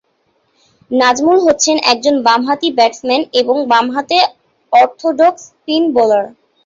নাজমুল হচ্ছেন একজন বাম-হাতি ব্যাটসম্যান এবং বাম-হাত অর্থোডক্স স্পিন বোলার।